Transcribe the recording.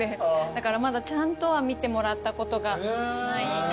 だからまだちゃんとは見てもらったことがないんです。